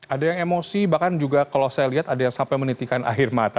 ada yang emosi bahkan juga kalau saya lihat ada yang sampai menitikan akhir mata